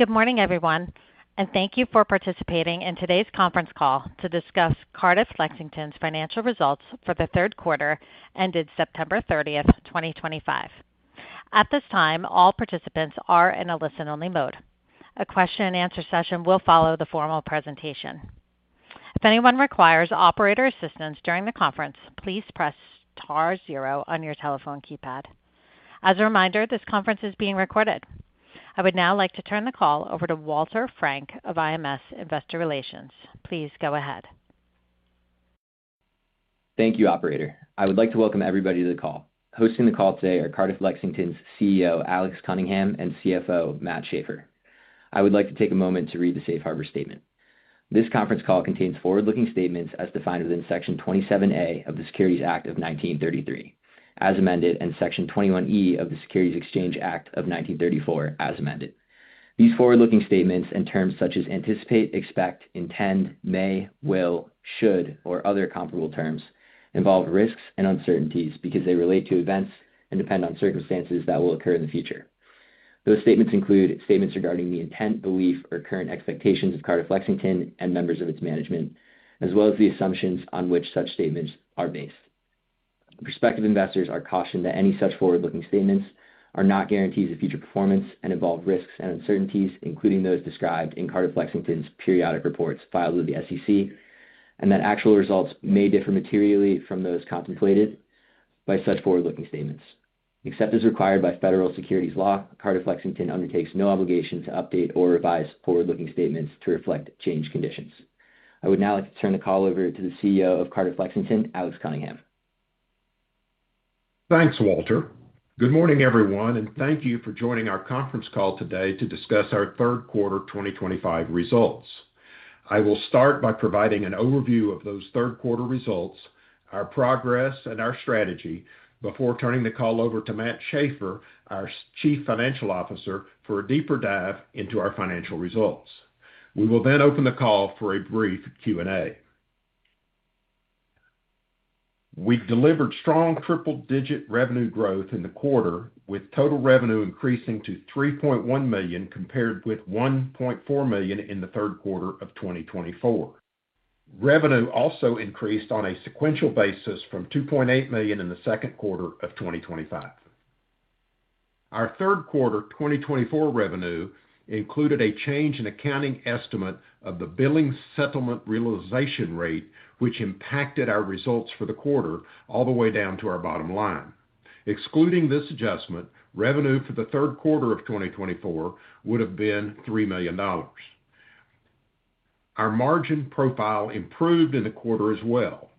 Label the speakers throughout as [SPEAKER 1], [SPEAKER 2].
[SPEAKER 1] Good morning, everyone, and thank you for participating in today's conference call to discuss Cardiff Lexington's financial results for the third quarter ended September 30th, 2025. At this time, all participants are in a listen-only mode. A question-and-answer session will follow the formal presentation. If anyone requires operator assistance during the conference, please press star zero on your telephone keypad. As a reminder, this conference is being recorded. I would now like to turn the call over to Walter Frank of IMS Investor Relations. Please go ahead.
[SPEAKER 2] Thank you, operator. I would like to welcome everybody to the call. Hosting the call today are Cardiff Lexington's CEO, Alex Cunningham, and CFO, Matt Shafer. I would like to take a moment to read the safe harbor statement. This conference call contains forward-looking statements as defined within Section 27A of the Securities Act of 1933, as amended, and Section 21E of the Securities Exchange Act of 1934, as amended. These forward-looking statements and terms such as anticipate, expect, intend, may, will, should, or other comparable terms involve risks and uncertainties because they relate to events and depend on circumstances that will occur in the future. Those statements include statements regarding the intent, belief, or current expectations of Cardiff Lexington and members of its management, as well as the assumptions on which such statements are based. Prospective investors are cautioned that any such forward-looking statements are not guarantees of future performance and involve risks and uncertainties, including those described in Cardiff Lexington's periodic reports filed with the SEC, and that actual results may differ materially from those contemplated by such forward-looking statements. Except as required by federal securities law, Cardiff Lexington undertakes no obligation to update or revise forward-looking statements to reflect changed conditions. I would now like to turn the call over to the CEO of Cardiff Lexington, Alex Cunningham.
[SPEAKER 3] Thanks, Walter. Good morning, everyone, and thank you for joining our conference call today to discuss our third quarter 2025 results. I will start by providing an overview of those third-quarter results, our progress, and our strategy before turning the call over to Matt Shafer, our Chief Financial Officer, for a deeper dive into our financial results. We will open the call for a brief Q&A. We've delivered strong triple-digit revenue growth in the quarter, with total revenue increasing to $3.1 million compared with $1.4 million in the third quarter of 2024. Revenue also increased on a sequential basis from $2.8 million in the second quarter of 2025. Our third quarter 2024 revenue included a change in accounting estimate of the billing settlement realization rate, which impacted our results for the quarter all the way down to our bottom line. Excluding this adjustment, revenue for the third quarter of 2024 would have been $3 million. Our margin profile improved in the quarter as well,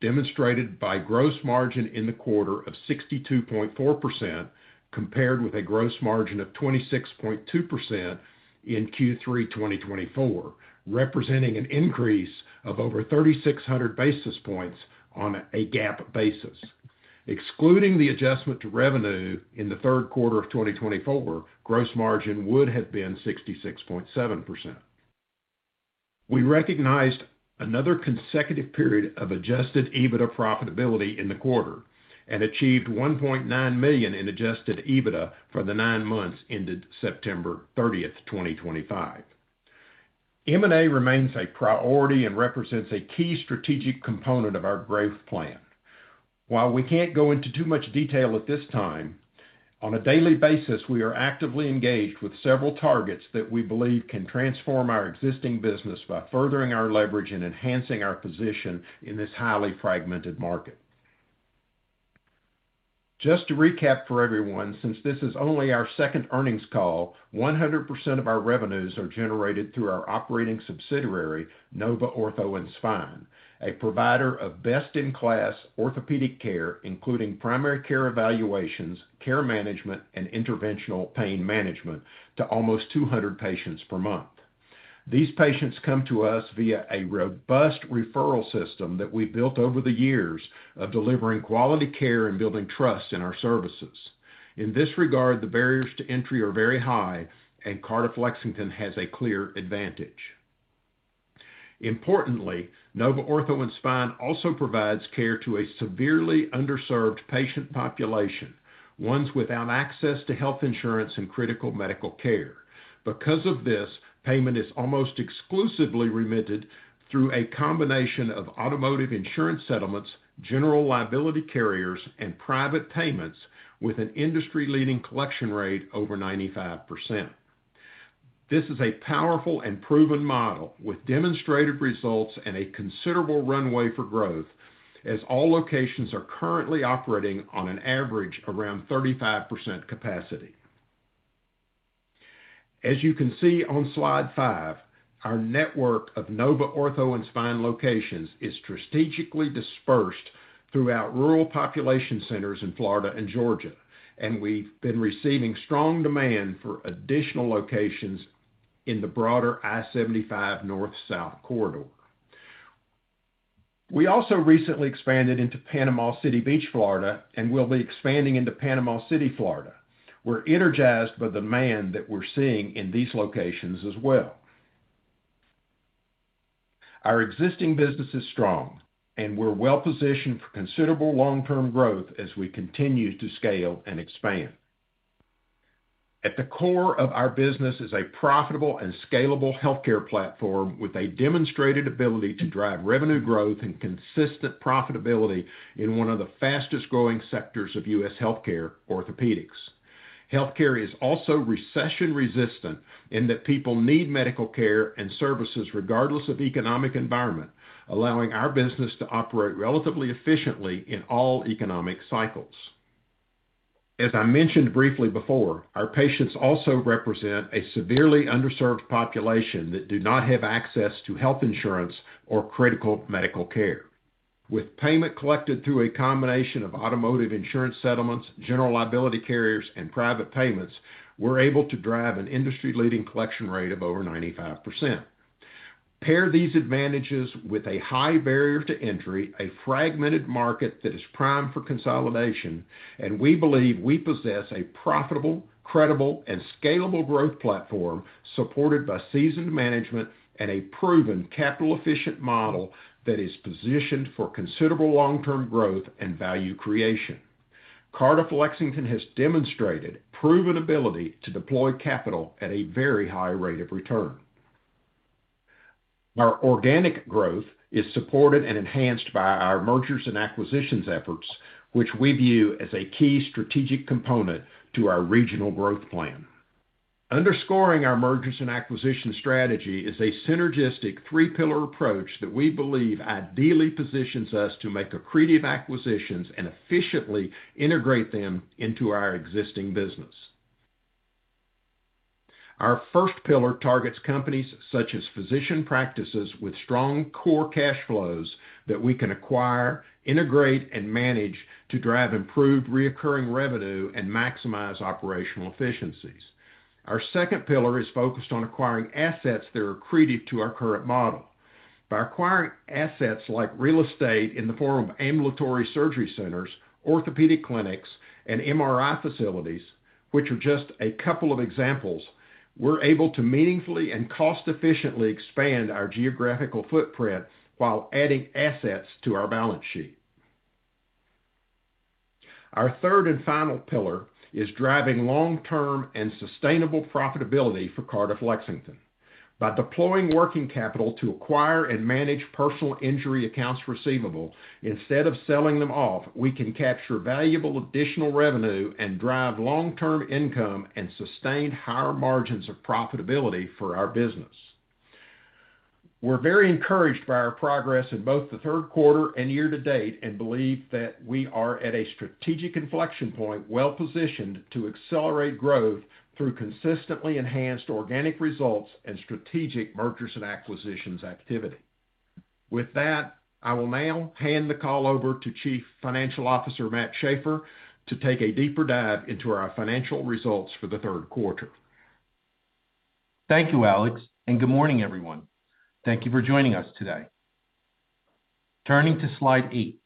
[SPEAKER 3] demonstrated by gross margin in the quarter of 62.4%, compared with a gross margin of 26.2% in Q3 2024, representing an increase of over 3,600 basis points on a GAAP basis. Excluding the adjustment to revenue in the third quarter of 2024, gross margin would have been 66.7%. We recognized another consecutive period of adjusted EBITDA profitability in the quarter and achieved $1.9 million in adjusted EBITDA for the nine months ended September 30th, 2025. M&A remains a priority and represents a key strategic component of our growth plan. While we can't go into too much detail at this time, on a daily basis, we are actively engaged with several targets that we believe can transform our existing business by furthering our leverage and enhancing our position in this highly fragmented market. Just to recap for everyone, since this is only our second earnings call, 100% of our revenues are generated through our operating subsidiary, Nova Ortho and Spine, a provider of best-in-class orthopedic care, including primary care evaluations, care management, and interventional pain management to almost 200 patients per month. These patients come to us via a robust referral system that we've built over the years of delivering quality care and building trust in our services. In this regard, the barriers to entry are very high, and Cardiff Lexington has a clear advantage. Importantly, Nova Ortho and Spine also provides care to a severely underserved patient population, ones without access to health insurance and critical medical care. Because of this, payment is almost exclusively remitted through a combination of automotive insurance settlements, general liability carriers, and private payments with an industry-leading collection rate over 95%. This is a powerful and proven model with demonstrated results and a considerable runway for growth as all locations are currently operating on an average around 35% capacity. As you can see on slide five, our network of Nova Ortho and Spine locations is strategically dispersed throughout rural population centers in Florida and Georgia, and we've been receiving strong demand for additional locations in the broader I-75 north-south corridor. We also recently expanded into Panama City Beach, Florida, and will be expanding into Panama City, Florida. We're energized by the demand that we're seeing in these locations as well. Our existing business is strong, and we're well-positioned for considerable long-term growth as we continue to scale and expand. At the core of our business is a profitable and scalable healthcare platform with a demonstrated ability to drive revenue growth and consistent profitability in one of the fastest-growing sectors of U.S. healthcare, orthopedics. Healthcare is also recession-resistant in that people need medical care and services regardless of economic environment, allowing our business to operate relatively efficiently in all economic cycles. As I mentioned briefly before, our patients also represent a severely underserved population that do not have access to health insurance or critical medical care. With payment collected through a combination of automotive insurance settlements, general liability carriers, and private payments, we're able to drive an industry-leading collection rate of over 95%. Pair these advantages with a high barrier to entry, a fragmented market that is prime for consolidation, and we believe we possess a profitable, credible, and scalable growth platform supported by seasoned management and a proven capital-efficient model that is positioned for considerable long-term growth and value creation. Cardiff Lexington has demonstrated proven ability to deploy capital at a very high rate of return. Our organic growth is supported and enhanced by our mergers and acquisitions efforts, which we view as a key strategic component to our regional growth plan. Underscoring our mergers and acquisitions strategy is a synergistic three-pillar approach that we believe ideally positions us to make accretive acquisitions and efficiently integrate them into our existing business. Our first pillar targets companies such as physician practices with strong core cash flows that we can acquire, integrate, and manage to drive improved reoccurring revenue and maximize operational efficiencies. Our second pillar is focused on acquiring assets that are accretive to our current model. By acquiring assets like real estate in the form of ambulatory surgery centers, orthopedic clinics, and MRI facilities, which are just a couple of examples, we are able to meaningfully and cost-efficiently expand our geographical footprint while adding assets to our balance sheet. Our third and final pillar is driving long-term and sustainable profitability for Cardiff Lexington. By deploying working capital to acquire and manage personal injury accounts receivable, instead of selling them off, we can capture valuable additional revenue and drive long-term income and sustained higher margins of profitability for our business. We are very encouraged by our progress in both the third quarter and year to date, and believe that we are at a strategic inflection point, well-positioned to accelerate growth through consistently enhanced organic results and strategic mergers and acquisitions activity. With that, I will now hand the call over to Chief Financial Officer Matt Shafer to take a deeper dive into our financial results for the third quarter.
[SPEAKER 4] Thank you, Alex, and good morning, everyone. Thank you for joining us today. Turning to slide eight.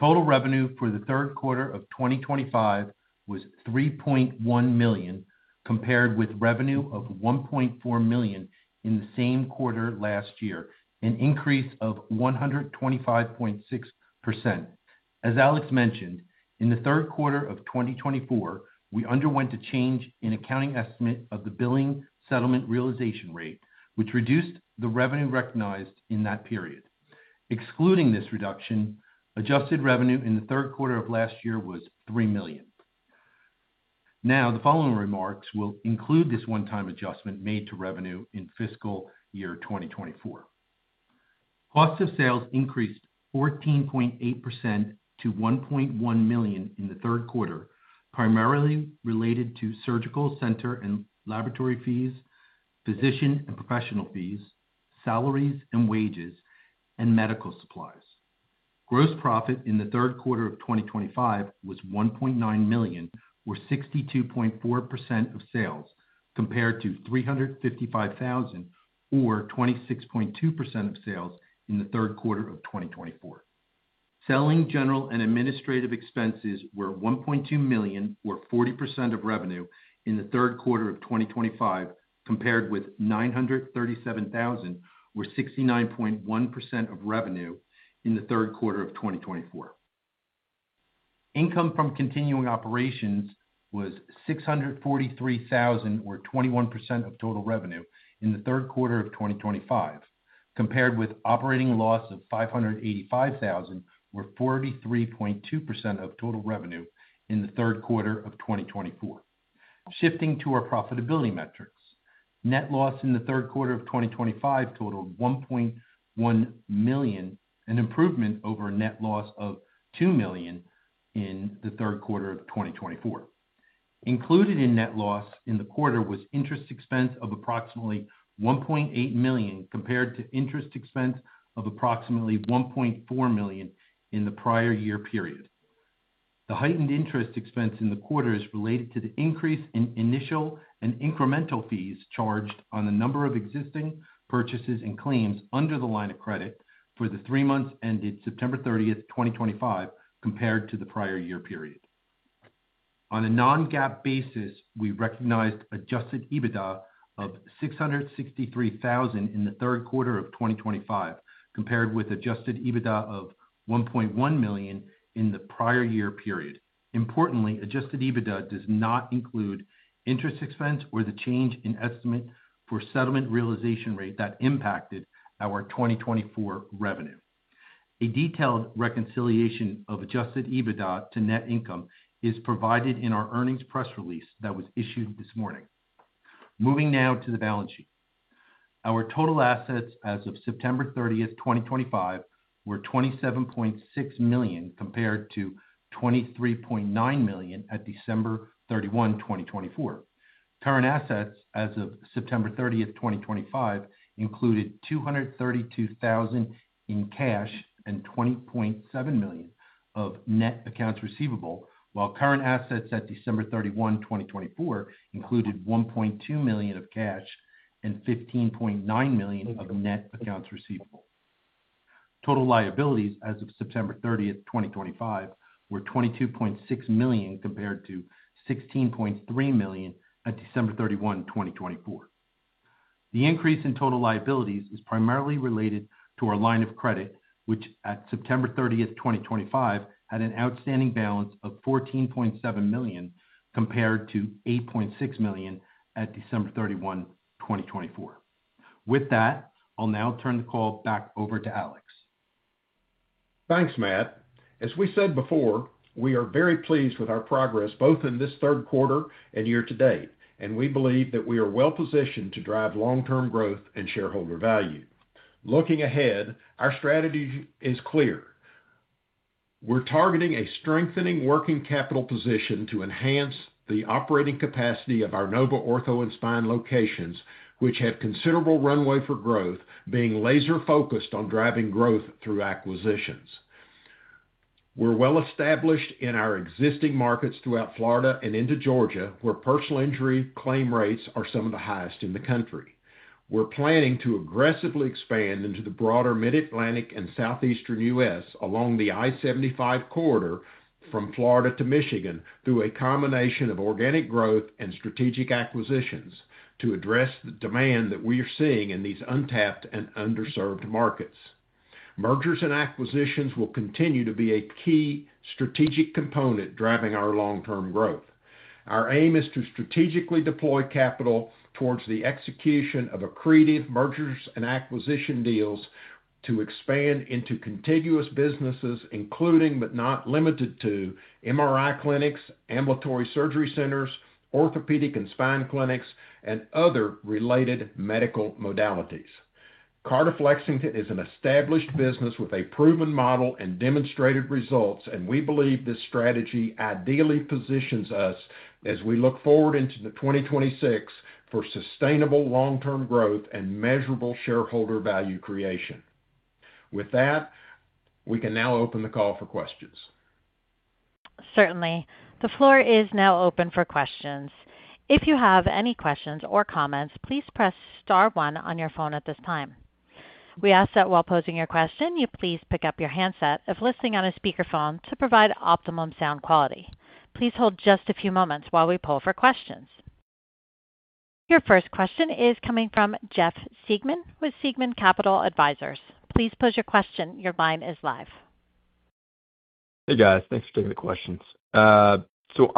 [SPEAKER 4] Total revenue for the third quarter of 2025 was $3.1 million, compared with revenue of $1.4 million in the same quarter last year, an increase of 125.6%. As Alex mentioned, in the third quarter of 2024, we underwent a change in accounting estimate of the billing settlement realization rate, which reduced the revenue recognized in that period. Excluding this reduction, adjusted revenue in the third quarter of last year was $3 million. The following remarks will include this one-time adjustment made to revenue in fiscal year 2024. Cost of sales increased 14.8% to $1.1 million in the third quarter, primarily related to surgical center and laboratory fees, physician and professional fees, salaries and wages, and medical supplies. Gross profit in the third quarter of 2025 was $1.9 million, or 62.4% of sales, compared to $355,000, or 26.2% of sales, in the third quarter of 2024. Selling, general, and administrative expenses were $1.2 million, or 40% of revenue, in the third quarter of 2025, compared with $937,000, or 69.1% of revenue, in the third quarter of 2024. Income from continuing operations was $643,000, or 21% of total revenue in the third quarter of 2025, compared with operating loss of $585,000, or 43.2% of total revenue in the third quarter of 2024. Shifting to our profitability metrics. Net loss in the third quarter of 2025 totaled $1.1 million, an improvement over a net loss of $2 million in the third quarter of 2024. Included in net loss in the quarter was interest expense of approximately $1.8 million, compared to interest expense of approximately $1.4 million in the prior year period. The heightened interest expense in the quarter is related to the increase in initial and incremental fees charged on the number of existing purchases and claims under the line of credit for the three months ended September 30th, 2025, compared to the prior year period. On a non-GAAP basis, we recognized adjusted EBITDA of $663,000 in the third quarter of 2025, compared with adjusted EBITDA of $1.1 million in the prior year period. Importantly, adjusted EBITDA does not include interest expense or the change in estimate for settlement realization rate that impacted our 2024 revenue. A detailed reconciliation of adjusted EBITDA to net income is provided in our earnings press release that was issued this morning. Moving now to the balance sheet. Our total assets as of September 30th, 2025, were $27.6 million, compared to $23.9 million at December 31, 2024. Current assets as of September 30th, 2025, included $232,000 in cash and $20.7 million of net accounts receivable, while current assets at December 31, 2024, included $1.2 million of cash and $15.9 million of net accounts receivable. Total liabilities as of September 30th, 2025, were $22.6 million compared to $16.3 million at December 31, 2024. The increase in total liabilities is primarily related to our line of credit, which at September 30th, 2025, had an outstanding balance of $14.7 million, compared to $8.6 million at December 31, 2024. With that, I'll now turn the call back over to Alex.
[SPEAKER 3] Thanks, Matt. As we said before, we are very pleased with our progress both in this third quarter and year to date, and we believe that we are well-positioned to drive long-term growth and shareholder value. Looking ahead, our strategy is clear. We're targeting a strengthening working capital position to enhance the operating capacity of our Nova Ortho and Spine locations, which have considerable runway for growth, being laser-focused on driving growth through acquisitions. We're well established in our existing markets throughout Florida and into Georgia, where personal injury claim rates are some of the highest in the country. We're planning to aggressively expand into the broader Mid-Atlantic and Southeastern U.S. along the I-75 corridor from Florida to Michigan through a combination of organic growth and strategic acquisitions to address the demand that we are seeing in these untapped and underserved markets. Mergers and acquisitions will continue to be a key strategic component driving our long-term growth. Our aim is to strategically deploy capital towards the execution of accretive mergers and acquisition deals to expand into contiguous businesses, including, but not limited to MRI clinics, ambulatory surgery centers, orthopedic and spine clinics, and other related medical modalities. Cardiff Lexington is an established business with a proven model and demonstrated results. We believe this strategy ideally positions us as we look forward into 2026 for sustainable long-term growth and measurable shareholder value creation. With that, we can now open the call for questions.
[SPEAKER 1] Certainly. The floor is now open for questions. If you have any questions or comments, please press star one on your phone at this time. We ask that while posing your question, you please pick up your handset if listening on a speakerphone to provide optimum sound quality. Please hold just a few moments while we poll for questions. Your first question is coming from Jeff Siegman with Siegman Capital Advisors. Please pose your question. Your line is live.
[SPEAKER 5] Hey, guys. Thanks for taking the questions. On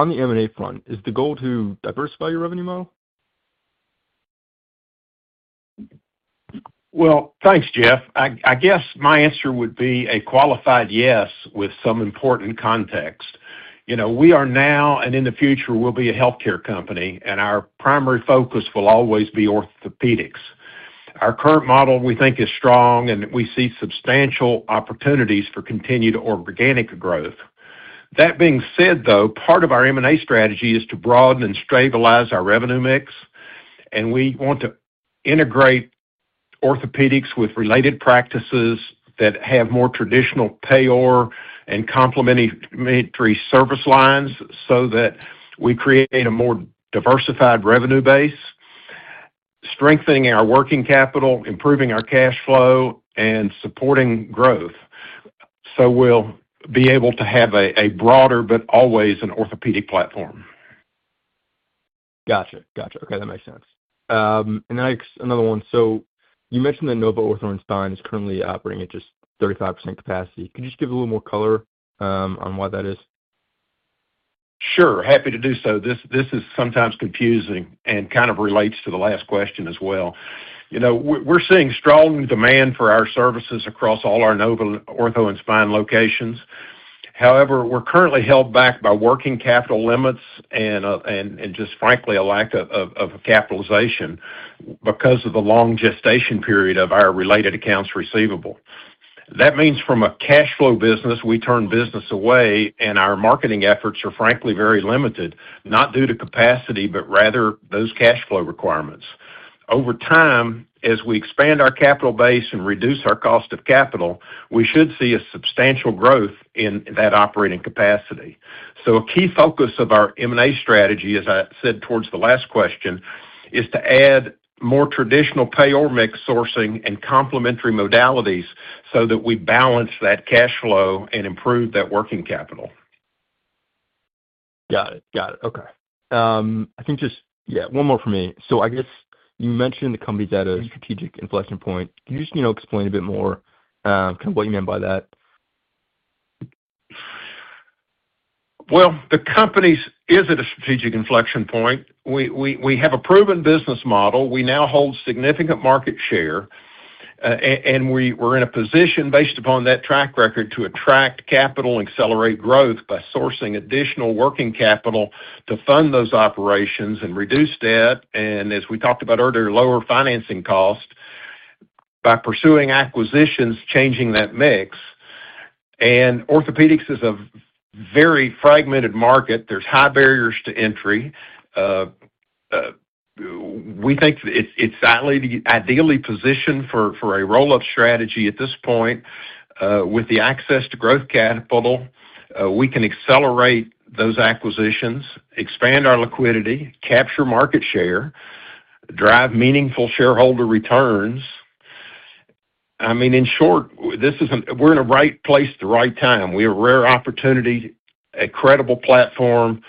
[SPEAKER 5] the M&A front, is the goal to diversify your revenue model?
[SPEAKER 3] Well, thanks, Jeff. I guess my answer would be a qualified yes with some important context. We are now and in the future will be a healthcare company. Our primary focus will always be orthopedics. Our current model we think is strong. We see substantial opportunities for continued organic growth. That being said, though, part of our M&A strategy is to broaden and stabilize our revenue mix, and we want to integrate orthopedics with related practices that have more traditional payor and complementary service lines so that we create a more diversified revenue base, strengthening our working capital, improving our cash flow, and supporting growth. We'll be able to have a broader but always an orthopedic platform.
[SPEAKER 5] Got you. Okay, that makes sense. I have another one. You mentioned the Nova Ortho and Spine is currently operating at just 35% capacity. Can you just give a little more color on why that is?
[SPEAKER 3] Sure. Happy to do so. This is sometimes confusing and kind of relates to the last question as well. We're seeing strong demand for our services across all our Nova Ortho and Spine locations. However, we're currently held back by working capital limits and just frankly, a lack of capitalization because of the long gestation period of our related accounts receivable. That means from a cash flow business, we turn business away, and our marketing efforts are frankly very limited, not due to capacity, but rather those cash flow requirements. Over time, as we expand our capital base and reduce our cost of capital, we should see a substantial growth in that operating capacity. A key focus of our M&A strategy, as I said towards the last question, is to add more traditional payor mix sourcing and complementary modalities so that we balance that cash flow and improve that working capital.
[SPEAKER 5] Got it. Okay. I think just, yeah, one more from me. I guess you mentioned the company is at a strategic inflection point. Can you just explain a bit more kind of what you meant by that?
[SPEAKER 3] Well, the company is at a strategic inflection point. We have a proven business model. We now hold a significant market share. We're in a position based upon that track record to attract capital and accelerate growth by sourcing additional working capital to fund those operations and reduce debt. As we talked about earlier, lower financing costs by pursuing acquisitions, changing that mix. Orthopedics is a very fragmented market. There's high barriers to entry. We think it's ideally positioned for a roll-up strategy at this point. With the access to growth capital, we can accelerate those acquisitions, expand our liquidity, capture market share, drive meaningful shareholder returns. I mean, in short, we're in the right place at the right time. We have a rare opportunity, a credible platform,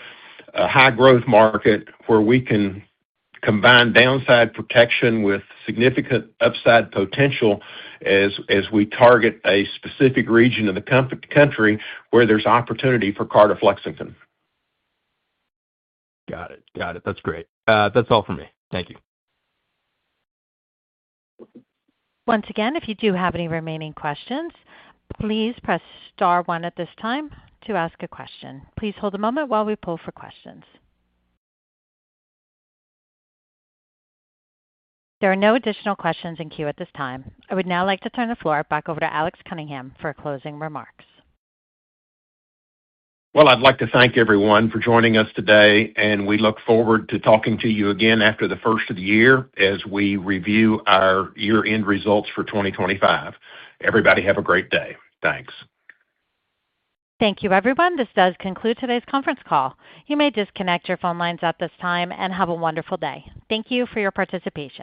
[SPEAKER 3] a high-growth market where we can combine downside protection with significant upside potential as we target a specific region of the country where there's an opportunity for Cardiff Lexington.
[SPEAKER 5] Got it. That's great. That's all for me. Thank you.
[SPEAKER 1] Once again, if you do have any remaining questions, please press star one at this time to ask a question. Please hold a moment while we pull for questions. There are no additional questions in queue at this time. I would now like to turn the floor back over to Alex Cunningham for closing remarks.
[SPEAKER 3] Well, I'd like to thank everyone for joining us today, and we look forward to talking to you again after the first of the year as we review our year-end results for 2025. Everybody have a great day. Thanks.
[SPEAKER 1] Thank you, everyone. This does conclude today's conference call. You may disconnect your phone lines at this time and have a wonderful day. Thank you for your participation.